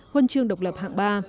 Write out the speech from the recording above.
huân chương độc lập hạng ba